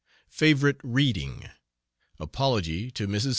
FAVORITE READING. APOLOGY TO MRS.